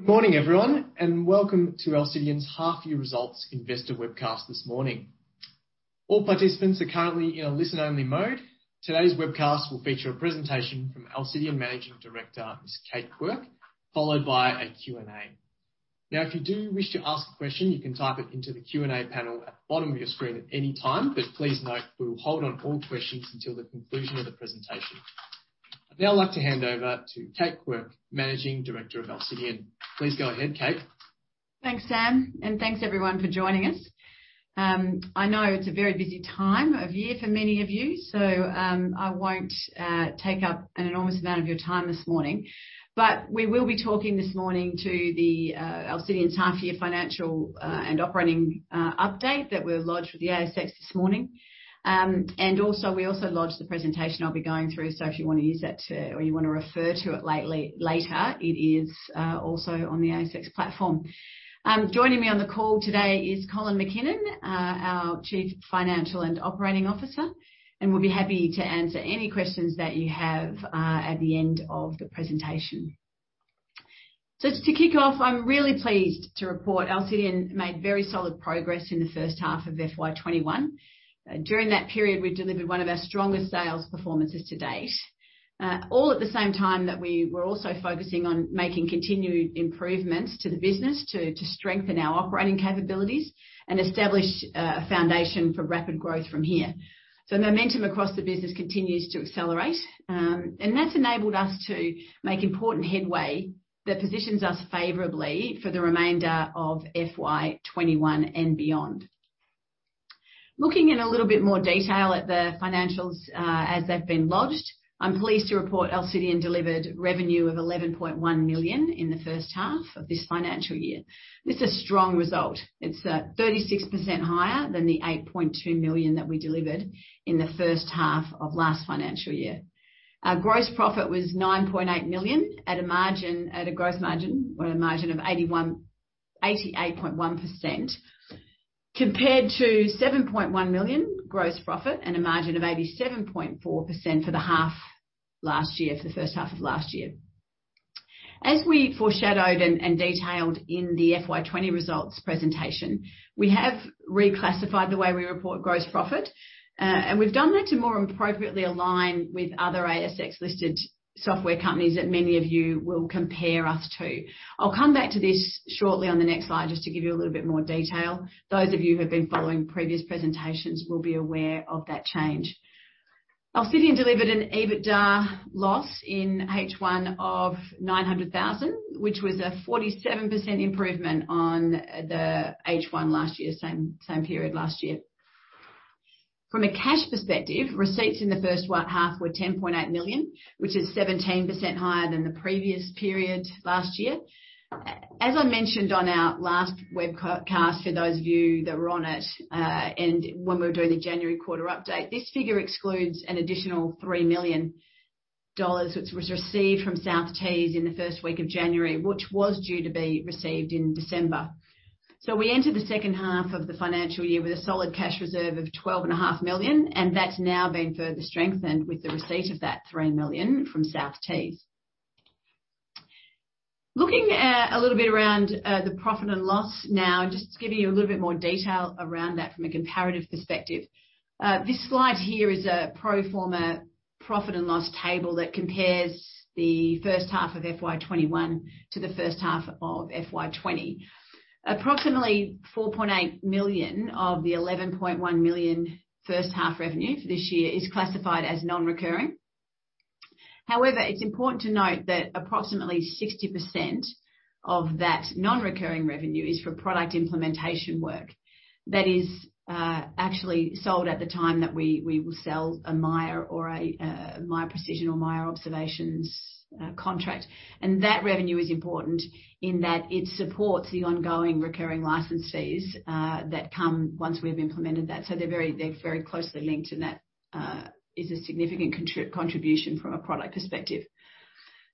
Good morning, everyone, and welcome to Alcidion's half-year results investor webcast this morning. All participants are currently in a listen-only mode. Today's webcast will feature a presentation from Alcidion Managing Director, Ms. Kate Quirke, followed by a Q&A. If you do wish to ask a question, you can type it into the Q&A panel at the bottom of your screen at any time. Please note, we will hold on all questions until the conclusion of the presentation. I'd now like to hand over to Kate Quirke, Managing Director of Alcidion. Please go ahead, Kate. Thanks, Sam, and thanks everyone for joining us. I know it's a very busy time of year for many of you, so I won't take up an enormous amount of your time this morning. We will be talking this morning to the Alcidion's half-year financial and operating update that we'll lodge with the ASX this morning. Also, we also lodged the presentation I'll be going through. If you want to use that, or you want to refer to it later, it is also on the ASX platform. Joining me on the call today is Colin MacKinnon, our Chief Financial and Operating Officer. We'll be happy to answer any questions that you have at the end of the presentation. Just to kick off, I'm really pleased to report Alcidion made very solid progress in the first half of FY 2021. During that period, we delivered one of our strongest sales performances to date. All at the same time that we were also focusing on making continued improvements to the business to strengthen our operating capabilities and establish a foundation for rapid growth from here. Momentum across the business continues to accelerate, and that has enabled us to make important headway that positions us favorably for the remainder of FY 2021 and beyond. Looking in a little bit more detail at the financials as they have been lodged, I am pleased to report Alcidion delivered revenue of 11.1 million in the first half of this financial year. This is a strong result. It is 36% higher than the 8.2 million that we delivered in the first half of last financial year. Our gross profit was 9.8 million at a margin, at a gross margin or a margin of 88.1%, compared to 7.1 million gross profit and a margin of 87.4% for the first half of last year. As we foreshadowed and detailed in the FY 2020 results presentation, we have reclassified the way we report gross profit. We've done that to more appropriately align with other ASX-listed software companies that many of you will compare us to. I'll come back to this shortly on the next slide, just to give you a little bit more detail. Those of you who have been following previous presentations will be aware of that change. Alcidion delivered an EBITDA loss in H1 of 900,000, which was a 47% improvement on the H1 last year. From a cash perspective, receipts in the first half were 10.8 million, which is 17% higher than the previous period last year. As I mentioned on our last webcast, for those of you that were on it, and when we were doing the January quarter update, this figure excludes an additional 3 million dollars, which was received from South Tees in the first week of January, which was due to be received in December. We entered the second half of the financial year with a solid cash reserve of 12.5 million, and that's now been further strengthened with the receipt of that 3 million from South Tees. Looking a little bit around the profit and loss now, just to give you a little bit more detail around that from a comparative perspective. This slide here is a pro forma profit and loss table that compares the first half of FY2021 to the first half of FY2020. Approximately 4.8 million of the 11.1 million first half revenue for this year is classified as non-recurring. However, it's important to note that approximately 60% of that non-recurring revenue is for product implementation work that is actually sold at the time that we will sell a Miya or Miya Precision or Miya Observations contract. That revenue is important in that it supports the ongoing recurring license fees that come once we've implemented that. They're very closely linked, and that is a significant contribution from a product perspective.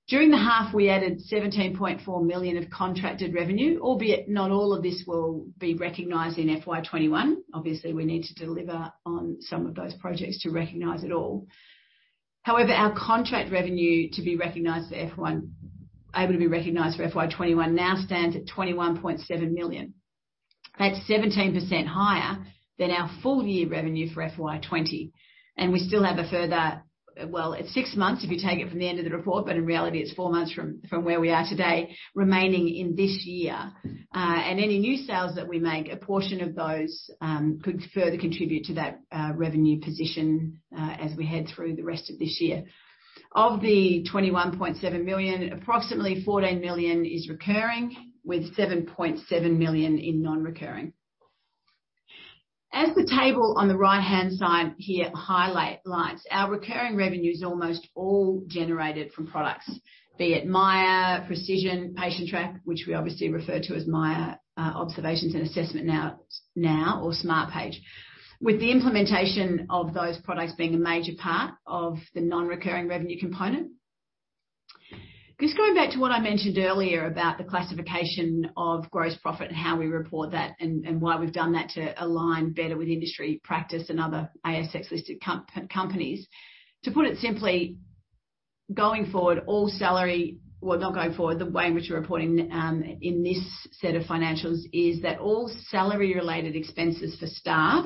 During the half, we added 17.4 million of contracted revenue, albeit not all of this will be recognized in FY2021. Obviously, we need to deliver on some of those projects to recognize it all. However, our contract revenue able to be recognized for FY 2021 now stands at 21.7 million. That's 17% higher than our full-year revenue for FY 2020, and we still have a further, well, it's six months if you take it from the end of the report, but in reality, it's four months from where we are today, remaining in this year. Any new sales that we make, a portion of those could further contribute to that revenue position as we head through the rest of this year. Of the 21.7 million, approximately 14 million is recurring, with 7.7 million in non-recurring. As the table on the right-hand side here highlights, our recurring revenue is almost all generated from products, be it Miya Precision, Patientrack, which we obviously refer to as Miya Observations and Assessments now, or Smartpage. With the implementation of those products being a major part of the non-recurring revenue component. Just going back to what I mentioned earlier about the classification of gross profit and how we report that and why we've done that to align better with industry practice and other ASX-listed companies. To put it simply. The way in which we're reporting in this set of financials is that all salary-related expenses for staff,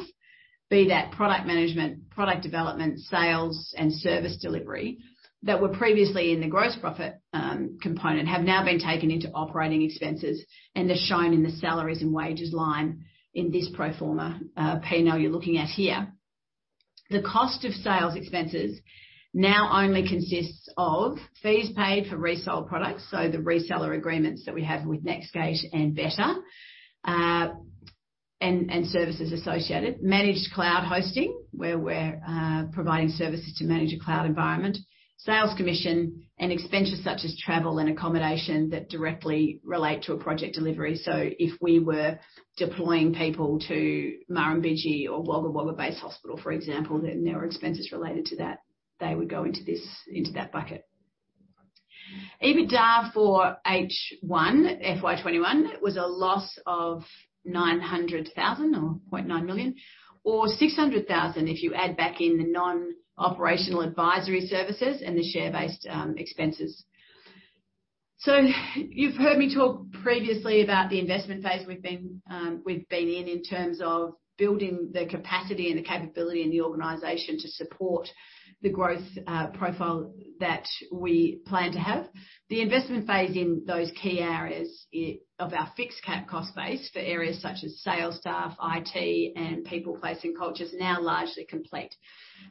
be that product management, product development, sales, and service delivery that were previously in the gross profit component, have now been taken into operating expenses and are shown in the salaries and wages line in this pro forma P&L you're looking at here. The cost of sales expenses now only consists of fees paid for resold products, so the reseller agreements that we have with NextGate and [Veta, and services associated. Managed cloud hosting, where we're providing services to manage a cloud environment. Sales commission and expenses such as travel and accommodation that directly relate to a project delivery. If we were deploying people to Murrumbidgee or Wagga Wagga Base Hospital, for example, then there are expenses related to that. They would go into that bucket. EBITDA for H1 FY 2021 was a loss of 900,000 or 0.9 million, or 600,000 if you add back in the non-operational advisory services and the share-based expenses. You've heard me talk previously about the investment phase we've been in in terms of building the capacity and the capability in the organization to support the growth profile that we plan to have. The investment phase in those key areas of our fixed cap cost base for areas such as sales staff, IT, and people, place, and culture is now largely complete.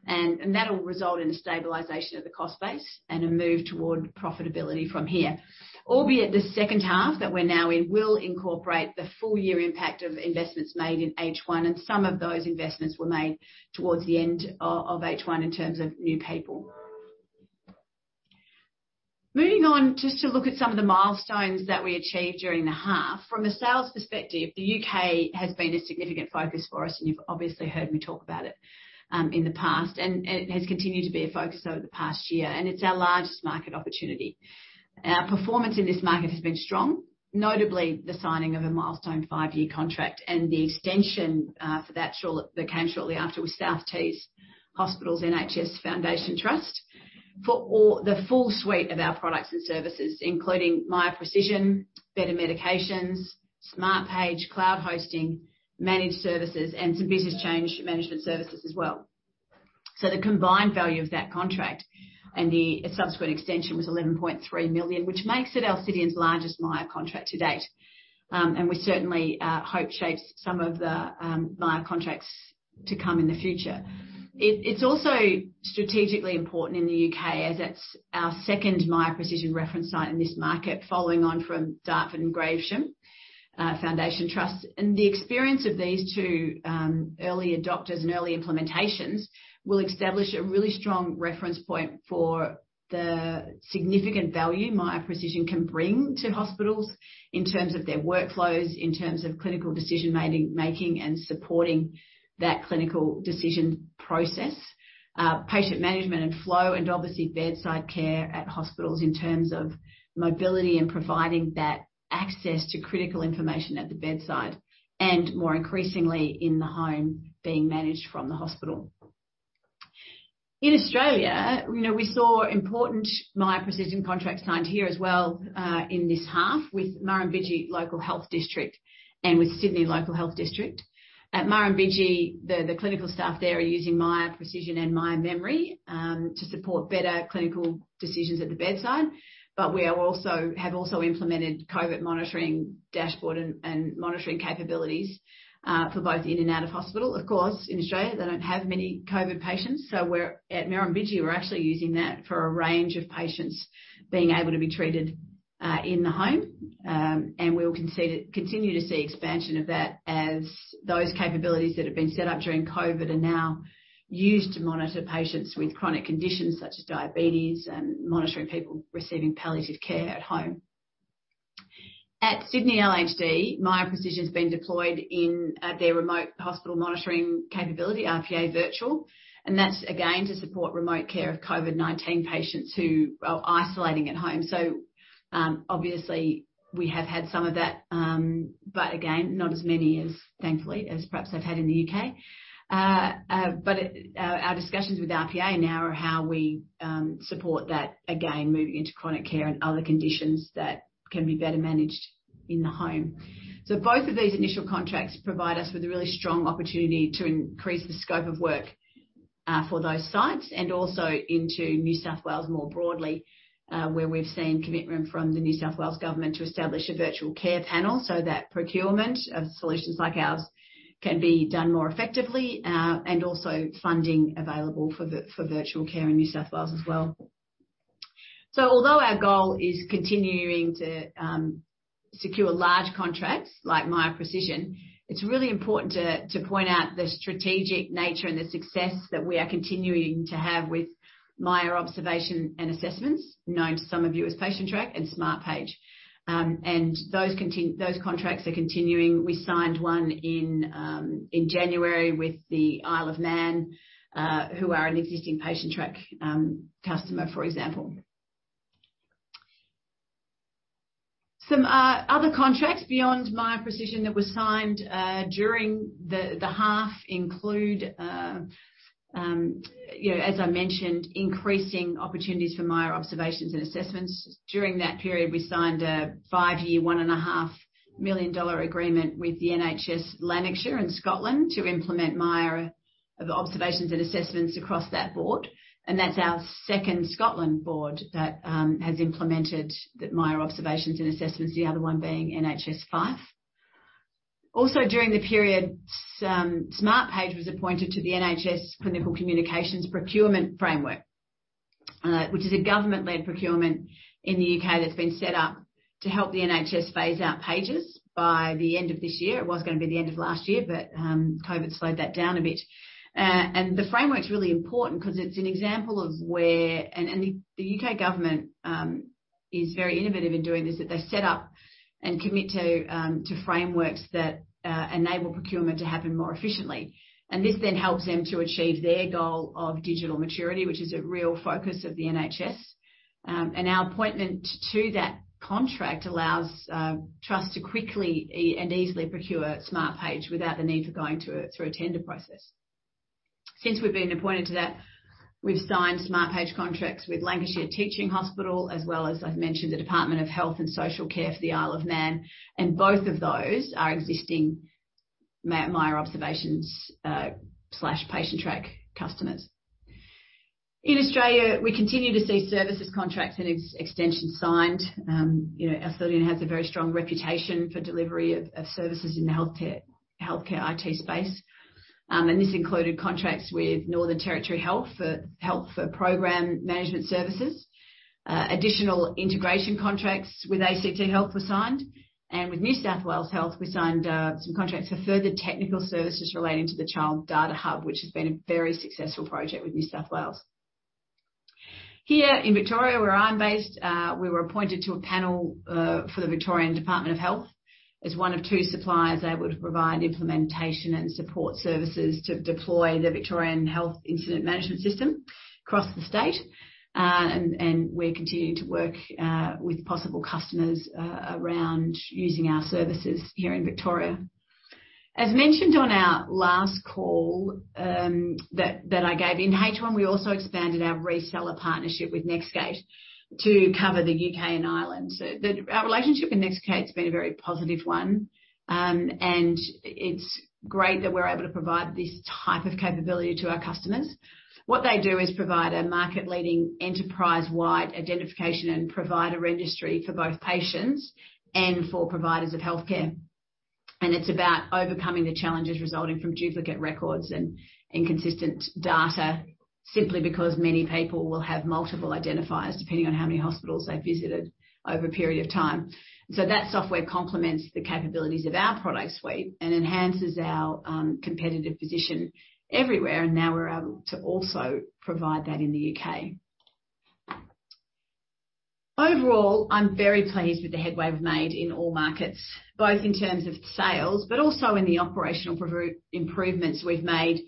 That'll result in a stabilization of the cost base and a move toward profitability from here. Albeit the second half that we're now in will incorporate the full year impact of investments made in H1, and some of those investments were made towards the end of H1 in terms of new people. Moving on, just to look at some of the milestones that we achieved during the half. From a sales perspective, the U.K., has been a significant focus for us, and you've obviously heard me talk about it in the past, and it has continued to be a focus over the past year, and it's our largest market opportunity. Our performance in this market has been strong, notably the signing of a milestone five-year contract and the extension for that came shortly after with South Tees Hospitals NHS Foundation Trust for the full suite of our products and services, including Miya Precision, Better Medications, Smartpage, cloud hosting, managed services, and some business change management services as well. The combined value of that contract and the subsequent extension was 11.3 million, which makes it Alcidion's largest Miya contract to date. We certainly hope shapes some of the Miya contracts to come in the future. It is also strategically important in the U.K., as it is our second Miya Precision reference site in this market, following on from Dartford and Gravesham Foundation Trust. The experience of these two early adopters and early implementations will establish a really strong reference point for the significant value Miya Precision can bring to hospitals in terms of their workflows, in terms of clinical decision-making and supporting that clinical decision process, patient management and flow, and obviously bedside care at hospitals in terms of mobility and providing that access to critical information at the bedside, and more increasingly in the home being managed from the hospital. In Australia, we saw important Miya Precision contracts signed here as well, in this half with Murrumbidgee Local Health District and with Sydney Local Health District. At Murrumbidgee, the clinical staff there are using Miya Precision and Miya MEMRe, to support better clinical decisions at the bedside. We have also implemented COVID monitoring dashboard and monitoring capabilities, for both in and out of hospital. Of course, in Australia, they don't have many COVID patients, so at Murrumbidgee, we're actually using that for a range of patients being able to be treated in the home. We'll continue to see expansion of that as those capabilities that have been set up during COVID are now used to monitor patients with chronic conditions such as diabetes and monitoring people receiving palliative care at home. At Sydney LHD, Miya Precision's been deployed in their remote hospital monitoring capability, RPA Virtual, That's again to support remote care of COVID-19 patients who are isolating at home. Obviously we have had some of that, but again, not as many, thankfully, as perhaps they've had in the U.K.,. Our discussions with RPA now are how we support that, again, moving into chronic care and other conditions that can be better managed in the home. Both of these initial contracts provide us with a really strong opportunity to increase the scope of work for those sites and also into New South Wales more broadly, where we've seen commitment from the New South Wales government to establish a virtual care panel so that procurement of solutions like ours can be done more effectively, and also funding available for virtual care in New South Wales as well. Although our goal is continuing to secure large contracts like Miya Precision, it's really important to point out the strategic nature and the success that we are continuing to have with Miya Observations and Assessments, known to some of you as Patientrack and Smartpage. Those contracts are continuing. We signed one in January with the Isle of Man, who are an existing Patientrack customer, for example. Some other contracts beyond Miya Precision that were signed during the half include, as I mentioned, increasing opportunities for Miya Observations and Assessments. During that period, we signed a five-year, 1.5 million dollar agreement with NHS Lanarkshire in Scotland to implement Miya Observations and Assessments across that board. That's our second Scotland board that has implemented the Miya Observations and Assessments, the other one being NHS Fife. During the period, Smartpage was appointed to the NHS Clinical Communications Procurement Framework, which is a government-led procurement in the U.K., that's been set up to help the NHS phase out pagers by the end of this year. It was going to be the end of last year, but COVID slowed that down a bit. The framework's really important because it's an example of where the U.K., government is very innovative in doing this, that they set up and commit to frameworks that enable procurement to happen more efficiently. This then helps them to achieve their goal of digital maturity, which is a real focus of the NHS. Our appointment to that contract allows trusts to quickly and easily procure Smartpage without the need for going through a tender process. Since we've been appointed to that, we've signed Smartpage contracts with Lancashire Teaching Hospitals, as well as I've mentioned, the Department of Health and Social Care for the Isle of Man, and both of those are existing Miya Observations/Patientrack customers. In Australia, we continue to see services, contracts, and extensions signed. Alcidion has a very strong reputation for delivery of services in the healthcare IT space. This included contracts with Northern Territory Health for program management services. Additional integration contracts with ACT Health were signed, and with New South Wales Health we signed some contracts for further technical services relating to the Child Data Hub, which has been a very successful project with New South Wales. Here in Victoria, where I'm based, we were appointed to a panel for the Victorian Department of Health as one of two suppliers able to provide implementation and support services to deploy the Victorian Health Incident Management System across the state. We're continuing to work with possible customers around using our services here in Victoria. As mentioned on our last call that I gave in H1, we also expanded our reseller partnership with NextGate to cover the U.K., and Ireland. Our relationship with NextGate's been a very positive one, and it's great that we're able to provide this type of capability to our customers. What they do is provide a market-leading, enterprise-wide identification and provider registry for both patients and for providers of healthcare. It's about overcoming the challenges resulting from duplicate records and inconsistent data, simply because many people will have multiple identifiers depending on how many hospitals they've visited over a period of time. That software complements the capabilities of our product suite and enhances our competitive position everywhere, and now we're able to also provide that in the U.K.,. Overall, I'm very pleased with the headway we've made in all markets, both in terms of sales, but also in the operational improvements we've made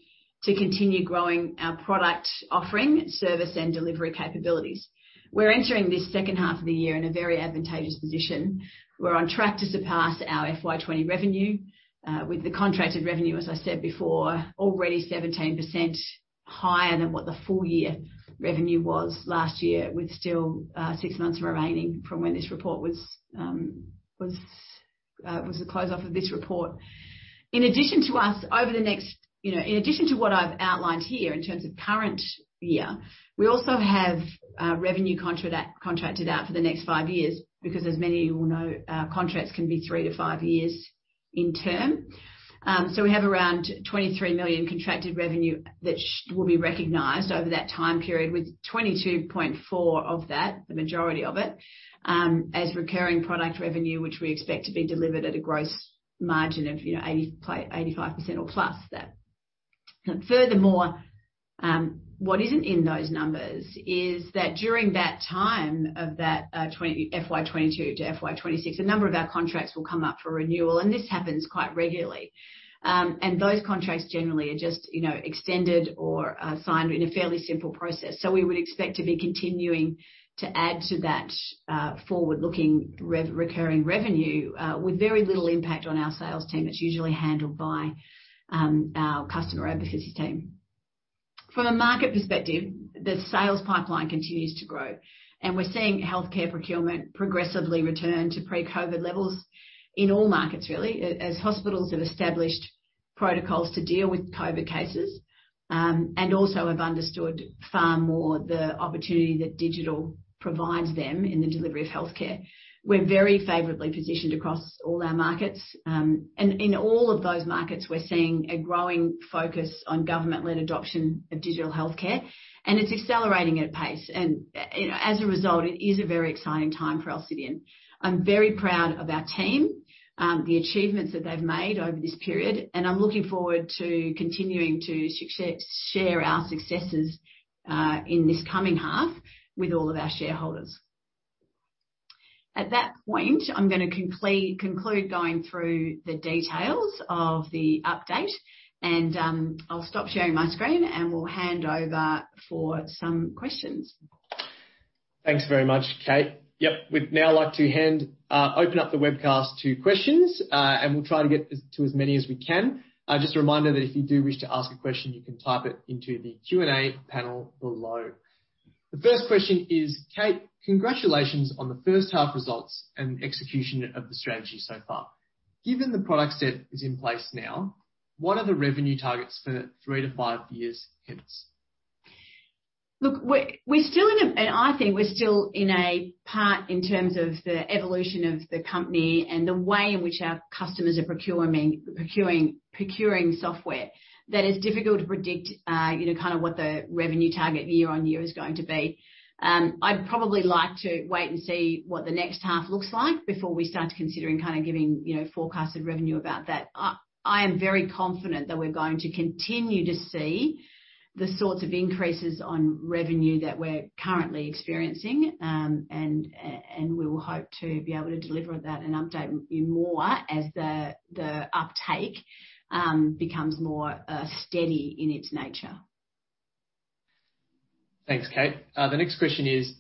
to continue growing our product offering, service, and delivery capabilities. We're entering this second half of the year in a very advantageous position. We're on track to surpass our FY20 revenue. With the contracted revenue, as I said before, already 17% higher than what the full year revenue was last year with still six months remaining from the close of this report. In addition to what I've outlined here in terms of current year, we also have revenue contracted out for the next five years because as many of you will know, contracts can be three to five years in term. We have around 23 million contracted revenue that will be recognized over that time period, with 22.4 of that, the majority of it, as recurring product revenue, which we expect to be delivered at a gross margin of 85% or plus that. Furthermore, what isn't in those numbers is that during that time of that FY 2022 to FY 2026, a number of our contracts will come up for renewal, and this happens quite regularly. Those contracts generally are just extended or signed in a fairly simple process. We would expect to be continuing to add to that forward-looking recurring revenue with very little impact on our sales team. It's usually handled by our customer advocacy team. From a market perspective, the sales pipeline continues to grow, and we're seeing healthcare procurement progressively return to pre-COVID levels in all markets, really, as hospitals have established protocols to deal with COVID cases, and also have understood far more the opportunity that digital provides them in the delivery of healthcare. We're very favorably positioned across all our markets. In all of those markets, we're seeing a growing focus on government-led adoption of digital healthcare, and it's accelerating at pace. As a result, it is a very exciting time for Alcidion. I'm very proud of our team, the achievements that they've made over this period, and I'm looking forward to continuing to share our successes in this coming half with all of our shareholders. At that point, I'm going to conclude going through the details of the update, and I'll stop sharing my screen, and will hand over for some questions. Thanks very much, Kate. Yep. We'd now like to open up the webcast to questions, and we'll try to get to as many as we can. Just a reminder that if you do wish to ask a question, you can type it into the Q&A panel below. The first question is, Kate, congratulations on the first half results and execution of the strategy so far. Given the product set is in place now, what are the revenue targets for 3-5 years hence? Look, I think we're still in a part in terms of the evolution of the company and the way in which our customers are procuring software that is difficult to predict kind of what the revenue target year-over-year is going to be. I'd probably like to wait and see what the next half looks like before we start considering kind of giving forecasted revenue about that. I am very confident that we're going to continue to see the sorts of increases on revenue that we're currently experiencing. We will hope to be able to deliver that and update you more as the uptake becomes more steady in its nature. Thanks, Kate. The next question is,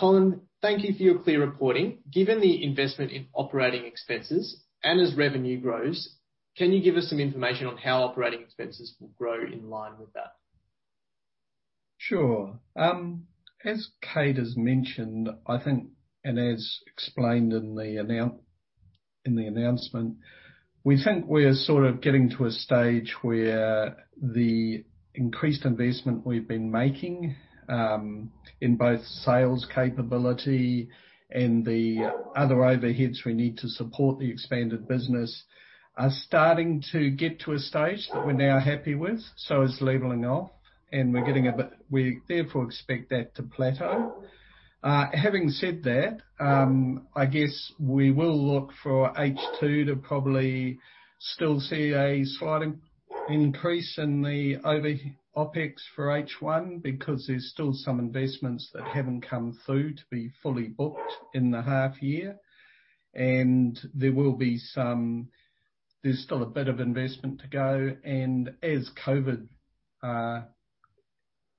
Colin, thank you for your clear reporting. Given the investment in operating expenses and as revenue grows, can you give us some information on how operating expenses will grow in line with that? Sure. As Kate has mentioned, I think, and as explained in the announcement, we think we're sort of getting to a stage where the increased investment we've been making, in both sales capability and the other overheads we need to support the expanded business, are starting to get to a stage that we're now happy with. It's leveling off and we therefore expect that to plateau. Having said that, I guess we will look for H2 to probably still see a slight increase in the OpEx for H1 because there's still some investments that haven't come through to be fully booked in the half year, and there's still a bit of investment to go. As COVID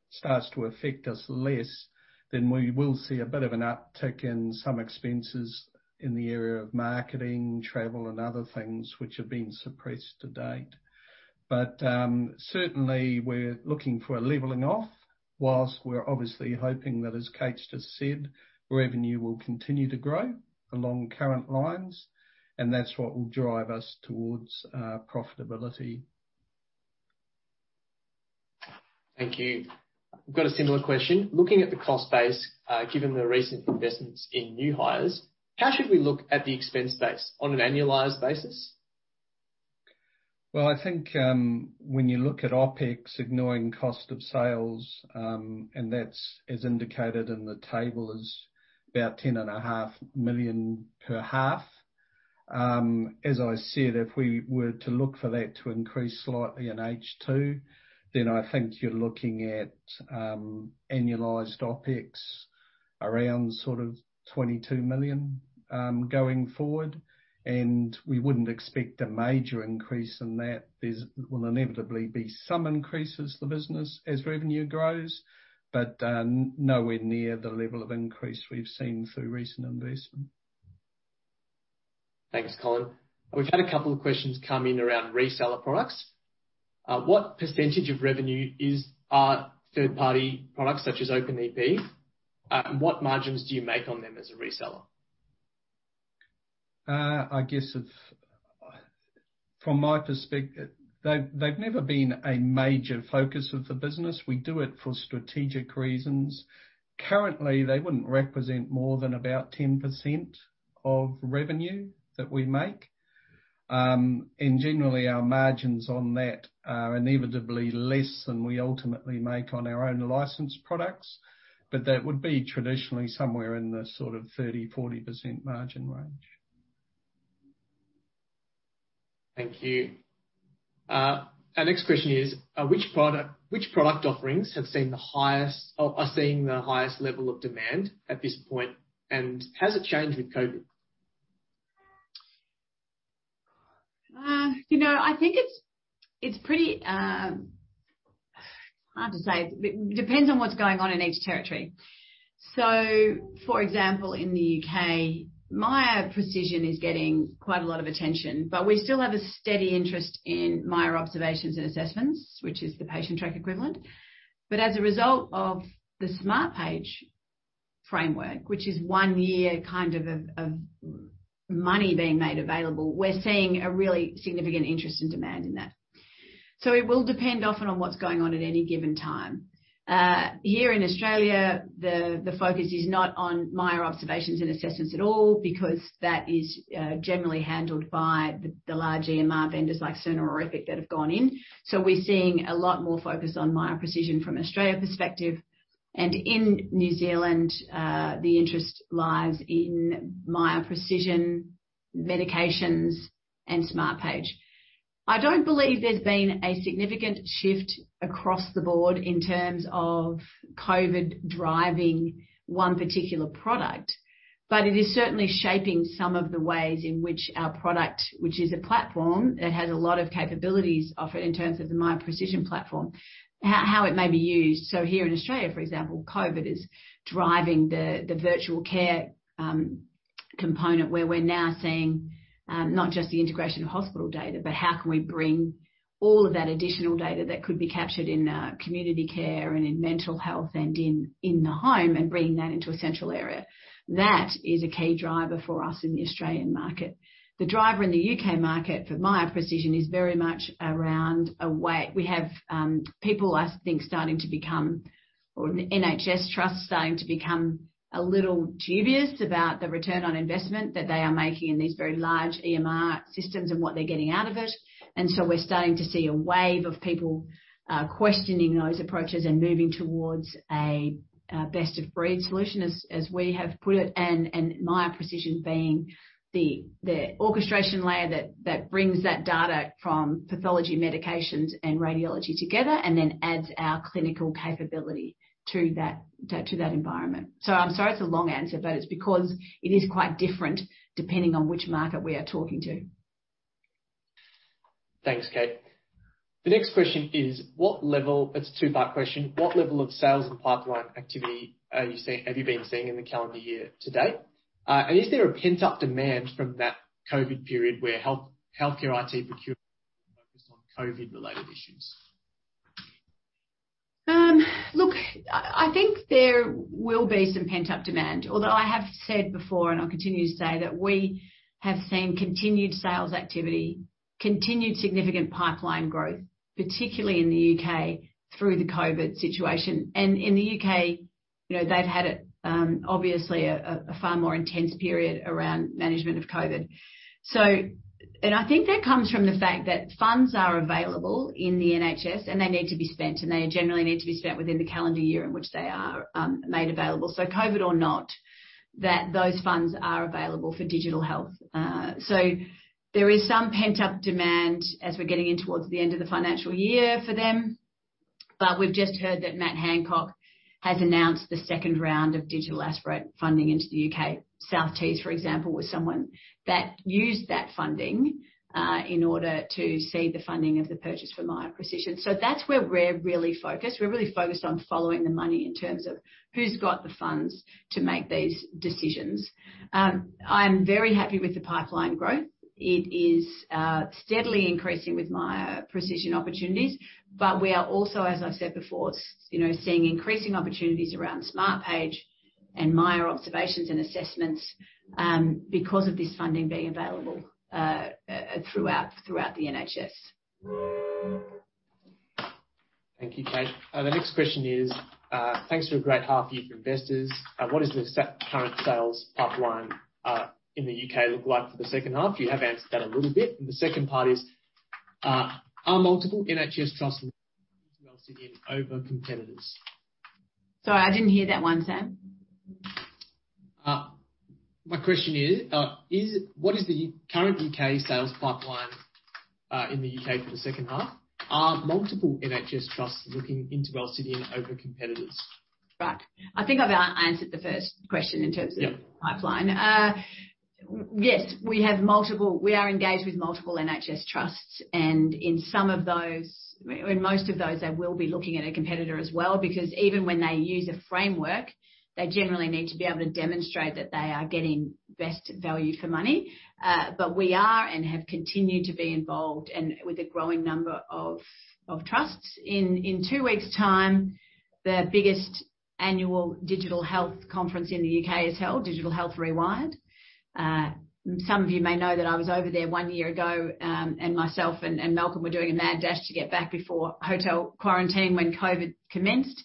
starts to affect us less, then we will see a bit of an uptick in some expenses in the area of marketing, travel, and other things which have been suppressed to date. Certainly, we're looking for a leveling off, while we're obviously hoping that, as Kate just said, revenue will continue to grow along current lines. That's what will drive us towards profitability. Thank you. We've got a similar question. Looking at the cost base, given the recent investments in new hires, how should we look at the expense base on an annualized basis? Well, I think, when you look at OpEx, ignoring cost of sales, and that's as indicated in the table is about 10.5 million per half. As I said, if we were to look for that to increase slightly in H2, then I think you're looking at annualized OpEx around sort of 22 million, going forward. We wouldn't expect a major increase in that. There will inevitably be some increases to the business as revenue grows, but nowhere near the level of increase we've seen through recent investment. Thanks, Colin. We've had a couple of questions come in around reseller products. What percentage of revenue are third-party products such as OPENeP? What margins do you make on them as a reseller? From my perspective, they've never been a major focus of the business. We do it for strategic reasons. Currently, they wouldn't represent more than about 10% of revenue that we make. Generally, our margins on that are inevitably less than we ultimately make on our own licensed products. That would be traditionally somewhere in the sort of 30%-40% margin range. Thank you. Our next question is: Which product offerings are seeing the highest level of demand at this point, and has it changed with COVID? It's hard to say. Depends on what's going on in each territory. For example, in the U.K., Miya Precision is getting quite a lot of attention, but we still have a steady interest in Miya Observations and Assessments, which is the Patientrack equivalent. As a result of the Smartpage framework, which is one year kind of money being made available, we're seeing a really significant interest and demand in that. It will depend often on what's going on at any given time. Here in Australia, the focus is not on Miya Observations and Assessments at all because that is generally handled by the large EMR vendors like Cerner or Epic that have gone in. We're seeing a lot more focus on Miya Precision from an Australia perspective, and in New Zealand, the interest lies in Miya Precision, Medications, and Smartpage. I don't believe there's been a significant shift across the board in terms of COVID driving one particular product. It is certainly shaping some of the ways in which our product, which is a platform that has a lot of capabilities offered in terms of the Miya Precision platform, how it may be used. Here in Australia, for example, COVID is driving the virtual care component where we're now seeing not just the integration of hospital data, but how can we bring all of that additional data that could be captured in community care and in mental health and in the home, and bringing that into a central area. That is a key driver for us in the Australian market. The driver in the U.K., market for Miya Precision is very much around. We have people, I think, starting to become, or NHS Trusts starting to become a little dubious about the return on investment that they are making in these very large EMR systems and what they're getting out of it. We're starting to see a wave of people questioning those approaches and moving towards a best of breed solution, as we have put it, and Miya Precision being the orchestration layer that brings that data from pathology, medications, and radiology together and then adds our clinical capability to that environment. I'm sorry it's a long answer, but it's because it is quite different depending on which market we are talking to. Thanks, Kate. The next question is, it's a two-part question. What level of sales and pipeline activity have you been seeing in the calendar year to date? Is there a pent-up demand from that COVID period where healthcare IT procurement focused on COVID-related issues? Look, I think there will be some pent-up demand, although I have said before, and I'll continue to say, that we have seen continued sales activity, continued significant pipeline growth, particularly in the U.K., through the COVID situation. In the U.K., they've had, obviously, a far more intense period around management of COVID. I think that comes from the fact that funds are available in the NHS, and they need to be spent, and they generally need to be spent within the calendar year in which they are made available. COVID or not, those funds are available for digital health. There is some pent-up demand as we're getting in towards the end of the financial year for them. We've just heard that Matt Hancock has announced the second round of Digital Aspirant funding into the U.K., South Tees, for example, was someone that used that funding in order to seed the funding of the purchase for Miya Precision. That's where we're really focused. We're really focused on following the money in terms of who's got the funds to make these decisions. I'm very happy with the pipeline growth. It is steadily increasing with Miya Precision opportunities, but we are also, as I said before, seeing increasing opportunities around Smartpage and Miya Observations and Assessments because of this funding being available throughout the NHS. Thank you, Kate. The next question is: Thanks for a great half year for investors. What does the current sales pipeline in the U.K., look like for the second half? You have answered that a little bit. The second part is, are multiple NHS Trusts looking into Alcidion over competitors? Sorry, I didn't hear that one, Sam. My question is, what is the current UK sales pipeline in the U.K., for the second half? Are multiple NHS Trusts looking into Alcidion over competitors? Right. I think I've answered the first question in terms of. Yeah Pipeline. Yes, we are engaged with multiple NHS Trusts, and in some of those, in most of those, they will be looking at a competitor as well, because even when they use a framework, they generally need to be able to demonstrate that they are getting best value for money. We are and have continued to be involved and with a growing number of Trusts. In two weeks' time, the biggest annual Digital Health conference in the U.K., is held; Digital Health Rewired. Some of you may know that I was over there one year ago, and myself and Malcolm were doing a mad dash to get back before hotel quarantine when COVID commenced.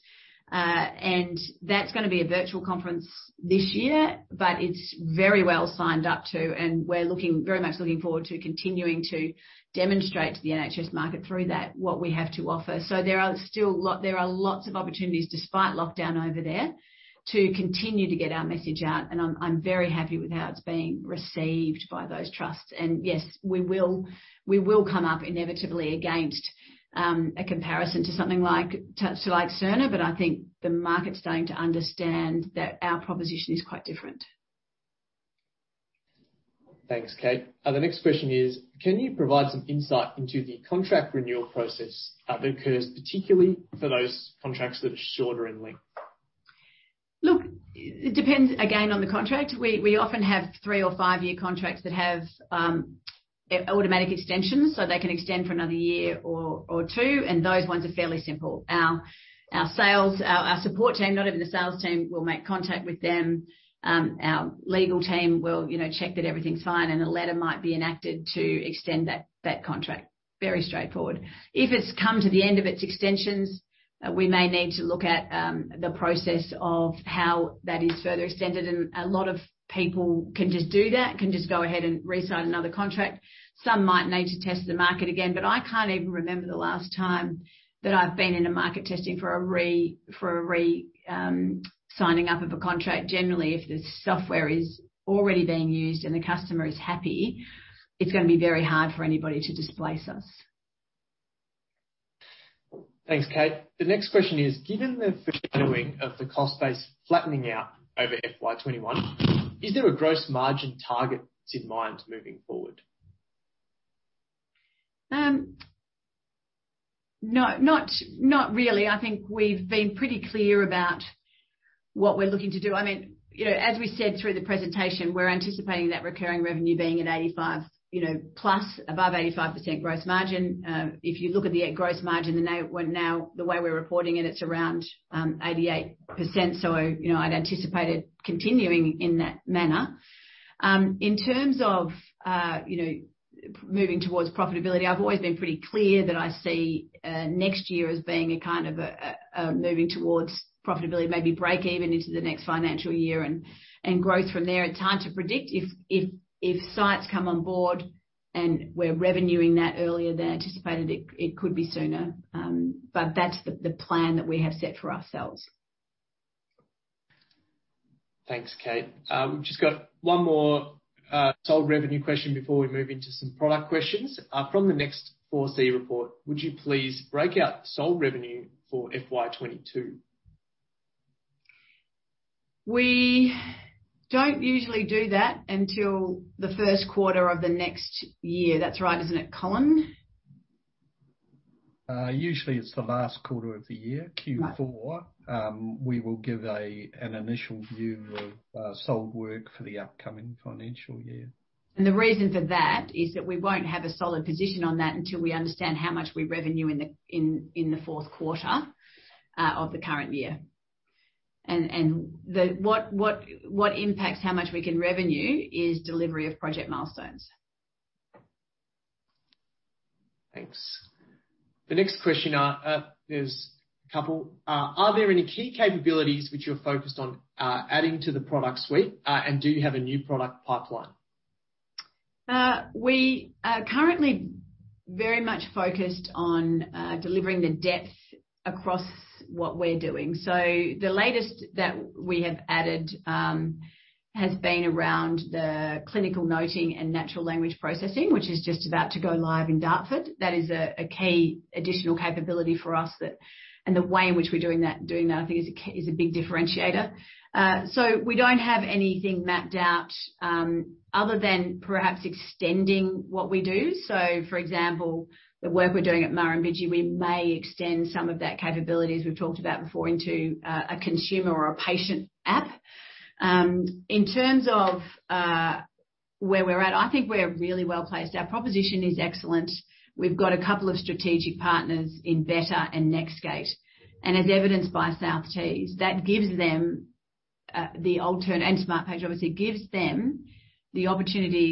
That's going to be a virtual conference this year, but it's very well signed up to, and we're very much looking forward to continuing to demonstrate to the NHS market through that what we have to offer. There are lots of opportunities, despite lockdown over there, to continue to get our message out, and I'm very happy with how it's being received by those trusts. Yes, we will come up inevitably against a comparison to something like Cerner, but I think the market's starting to understand that our proposition is quite different. Thanks, Kate. The next question is: Can you provide some insight into the contract renewal process that occurs, particularly for those contracts that are shorter in length? It depends again on the contract. We often have three or five-year contracts that have automatic extensions, so they can extend for another year or two. Those ones are fairly simple. Our support team, not even the sales team, will make contact with them. Our legal team will check that everything's fine. A letter might be enacted to extend that contract. Very straightforward. If it's come to the end of its extensions, we may need to look at the process of how that is further extended. A lot of people can just do that, can just go ahead and re-sign another contract. Some might need to test the market again. I can't even remember the last time that I've been in a market testing for a re-signing up of a contract. Generally, if the software is already being used and the customer is happy, it's going to be very hard for anybody to displace us. Thanks, Kate. The next question is: Given the foreshadowing of the cost base flattening out over FY 2021, is there a gross margin target in mind moving forward? No, not really. I think we've been pretty clear about what we're looking to do. As we said through the presentation, we're anticipating that recurring revenue being at 85%+, above 85% gross margin. If you look at the gross margin now, the way we're reporting it's around 88%. I'd anticipate it continuing in that manner. In terms of moving towards profitability, I've always been pretty clear that I see next year as being a kind of moving towards profitability, maybe break even into the next financial year and growth from there. It's hard to predict. If sites come on board and we're revenuing that earlier than anticipated, it could be sooner. That's the plan that we have set for ourselves. Thanks, Kate. We've just got one more sold revenue question before we move into some product questions. From the next 4C report, would you please break out sold revenue for FY22? We don't usually do that until the first quarter of the next year. That's right, isn't it, Colin? Usually it's the last quarter of the year, Q4. Right. We will give an initial view of sold work for the upcoming financial year. The reason for that is that we won't have a solid position on that until we understand how much we revenue in the fourth quarter of the current year. What impacts how much we can revenue is delivery of project milestones. Thanks. The next question, there's a couple. Are there any key capabilities which you're focused on adding to the product suite? Do you have a new product pipeline? We are currently very much focused on delivering the depth across what we're doing. The latest that we have added has been around the clinical noting and natural language processing, which is just about to go live in Dartford. That is a key additional capability for us, and the way in which we're doing that, I think, is a big differentiator. We don't have anything mapped out other than perhaps extending what we do. For example, the work we're doing at Murrumbidgee, we may extend some of that capabilities we've talked about before into a consumer or a patient app. In terms of where we're at, I think we're really well-placed. Our proposition is excellent. We've got a couple of strategic partners in Better and NextGate. As evidenced by South Tees, that gives them the opportunity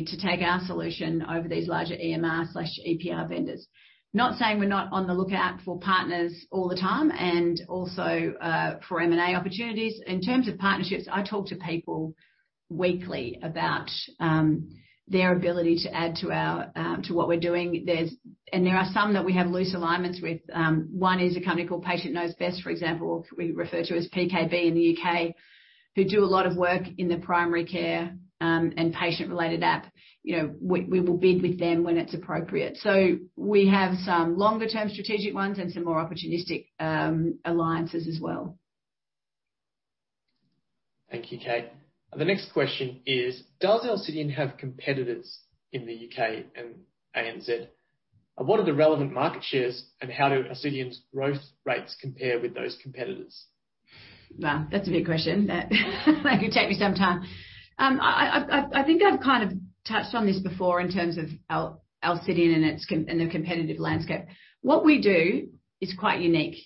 to take our solution over these larger EMR/EPR vendors. Not saying we're not on the lookout for partners all the time, and also for M&A opportunities. In terms of partnerships, I talk to people weekly about their ability to add to what we're doing. There are some that we have loose alignments with. One is a company called Patients Know Best, for example, we refer to as PKB in the U.K., who do a lot of work in the primary care and patient-related app. We will bid with them when it's appropriate. We have some longer-term strategic ones and some more opportunistic alliances as well. Thank you, Kate. The next question is, does Alcidion have competitors in the U.K., and ANZ? What are the relevant market shares, and how do Alcidion's growth rates compare with those competitors? Wow, that's a big question. That could take me some time. I think I've kind of touched on this before in terms of Alcidion and the competitive landscape. What we do is quite unique.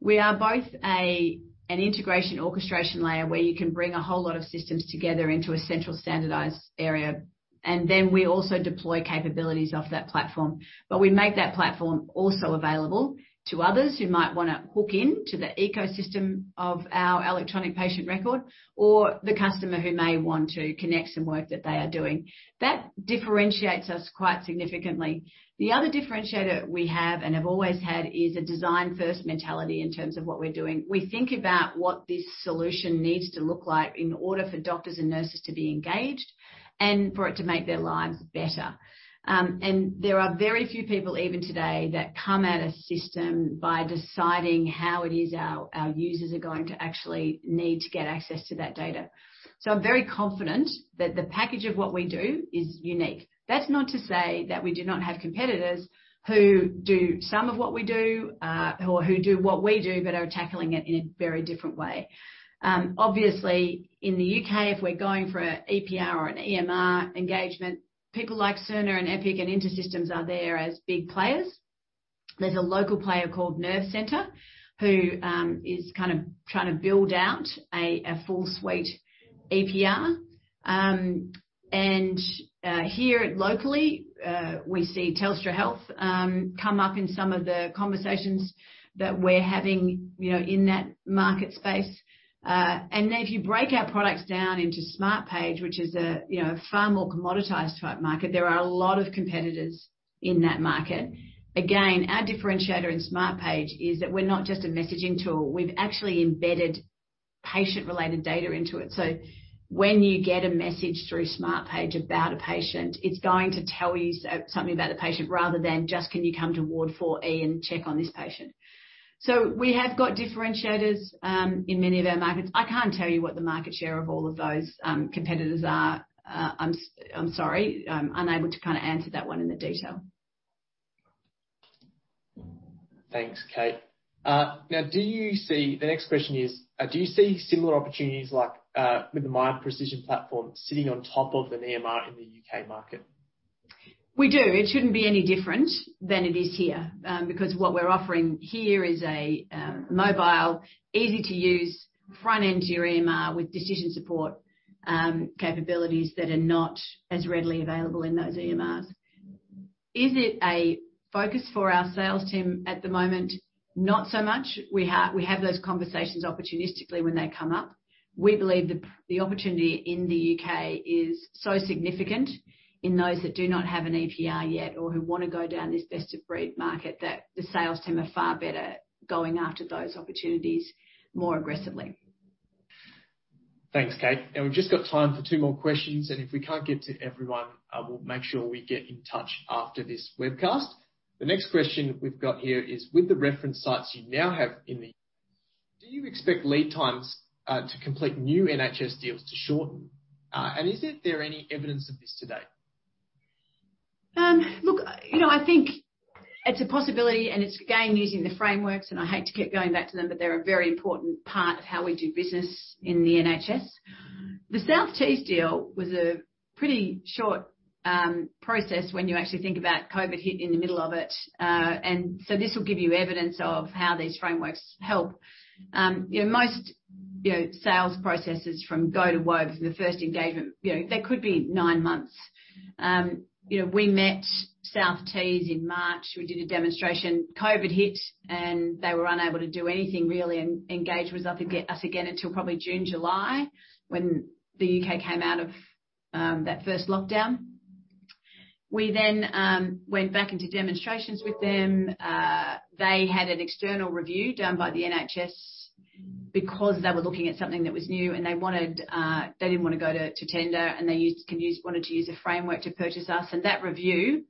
We are both an integration orchestration layer where you can bring a whole lot of systems together into a central standardized area, and then we also deploy capabilities off that platform. We make that platform also available to others who might want to hook in to the ecosystem of our electronic patient record, or the customer who may want to connect some work that they are doing. That differentiates us quite significantly. The other differentiator we have and have always had is a design-first mentality in terms of what we're doing. We think about what this solution needs to look like in order for doctors and nurses to be engaged and for it to make their lives better. There are very few people even today that come at a system by deciding how it is our users are going to actually need to get access to that data. I'm very confident that the package of what we do is unique. That's not to say that we do not have competitors who do some of what we do, or who do what we do but are tackling it in a very different way. Obviously, in the U.K., if we're going for an EPR or an EMR engagement, people like Cerner and Epic and InterSystems are there as big players. There's a local player called Nervecentre who is kind of trying to build out a full suite EPR. Here locally, we see Telstra Health come up in some of the conversations that we're having in that market space. If you break our products down into Smartpage, which is a far more commoditized type market, there are a lot of competitors in that market. Again, our differentiator in Smartpage is that we're not just a messaging tool, we've actually embedded patient-related data into it. When you get a message through Smartpage about a patient, it's going to tell you something about the patient rather than just, "Can you come to ward 4E and check on this patient?" We have got differentiators in many of our markets. I can't tell you what the market share of all of those competitors are. I'm sorry. I'm unable to kind of answer that one in the detail. Thanks, Kate. The next question is, do you see similar opportunities like with the Miya Precision platform sitting on top of an EMR in the UK market? We do. It shouldn't be any different than it is here, because what we're offering here is a mobile, easy-to-use front end to your EMR with decision support capabilities that are not as readily available in those EMRs. Is it a focus for our sales team at the moment? Not so much. We have those conversations opportunistically when they come up. We believe the opportunity in the U.K., is so significant in those that do not have an EPR yet or who want to go down this best-of-breed market, that the sales team are far better going after those opportunities more aggressively. Thanks, Kate. We've just got time for two more questions, and if we can't get to everyone, we'll make sure we get in touch after this webcast. The next question we've got here is, with the reference sites you now have in the U.K., do you expect lead times to complete new NHS deals to shorten? Is there any evidence of this to date? I think it's a possibility, and it's, again, using the frameworks, and I hate to keep going back to them, but they're a very important part of how we do business in the NHS. The South Tees deal was a pretty short process when you actually think about COVID hit in the middle of it. This will give you evidence of how these frameworks help. Most sales processes from go to whoa, from the first engagement, that could be nine months. We met South Tees in March. We did a demonstration. COVID hit, and they were unable to do anything really, and engage with us again until probably June, July, when the U.K., came out of that first lockdown. We went back and did demonstrations with them. They had an external review done by the NHS because they were looking at something that was new, and they didn't want to go to tender, and they wanted to use a framework to purchase us. That review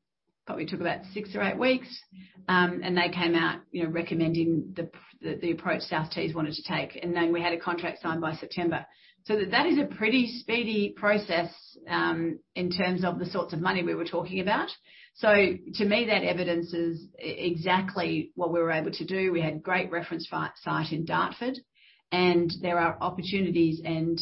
probably took about six or eight weeks. They came out recommending the approach South Tees wanted to take. We had a contract signed by September. That is a pretty speedy process, in terms of the sorts of money we were talking about. To me, that evidence is exactly what we were able to do. We had great reference site in Dartford, and there are opportunities and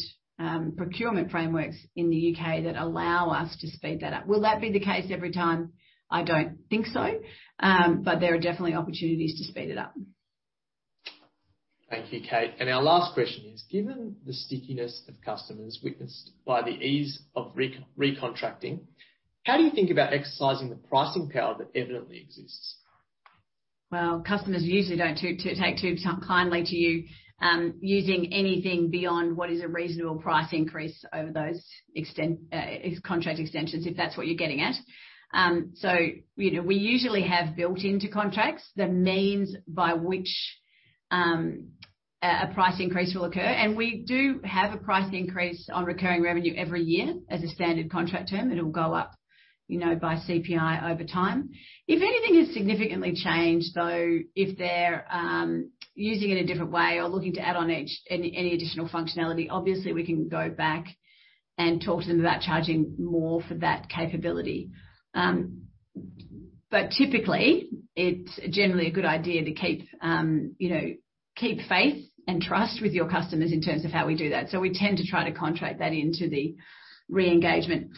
procurement frameworks in the U.K., that allow us to speed that up. Will that be the case every time? I don't think so. There are definitely opportunities to speed it up. Thank you, Kate. Our last question is, given the stickiness of customers witnessed by the ease of recontracting, how do you think about exercising the pricing power that evidently exists? Well, customers usually don't take too kindly to you using anything beyond what is a reasonable price increase over those contract extensions, if that's what you're getting at. We usually have built into contracts the means by which a price increase will occur, and we do have a price increase on recurring revenue every year as a standard contract term. It'll go up by CPI over time. If anything has significantly changed, though, if they're using it a different way or looking to add on any additional functionality, obviously we can go back and talk to them about charging more for that capability. Typically, it's generally a good idea to keep faith and trust with your customers in terms of how we do that. We tend to try to contract that into the re-engagement.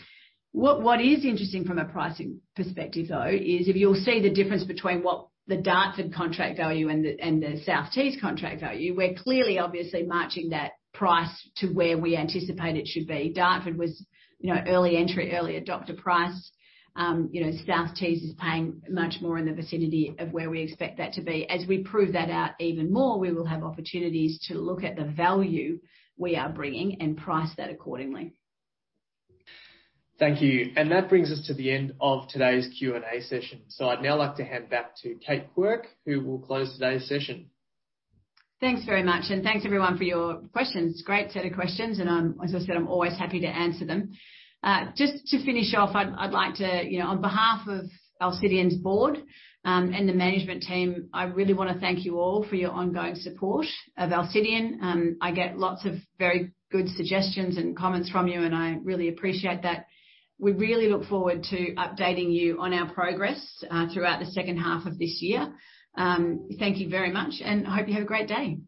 What is interesting from a pricing perspective, though, is if you'll see the difference between what the Dartford contract value and the South Tees contract value, we're clearly obviously matching that price to where we anticipate it should be. Dartford was early entry, early adopter price. South Tees is paying much more in the vicinity of where we expect that to be. As we prove that out even more, we will have opportunities to look at the value we are bringing and price that accordingly. Thank you. That brings us to the end of today's Q&A session. I'd now like to hand back to Kate Quirke, who will close today's session. Thanks very much. Thanks everyone for your questions. Great set of questions, and as I said, I'm always happy to answer them. Just to finish off, I'd like to, on behalf of Alcidion's board and the management team, I really want to thank you all for your ongoing support of Alcidion. I get lots of very good suggestions and comments from you, and I really appreciate that. We really look forward to updating you on our progress throughout the second half of this year. Thank you very much, and hope you have a great day.